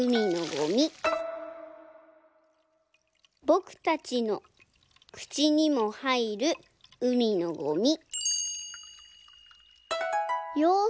「ぼくたちのくちにもはいるうみのゴミ」。